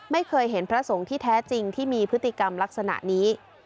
ไม่เคยเห็นพระสงฆ์ที่แท้จริงที่มีพฤติกรรมลักษณะนี้